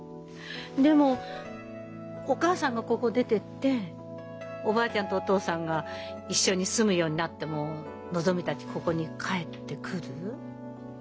でもお母さんがここを出てっておばあちゃんとお父さんが一緒に住むようになってものぞみたちここに帰ってくる？